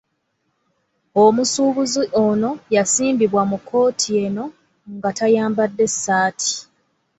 Omusuubuzi ono yasimbibwa mu kkooti eno nga tayambadde ssaati.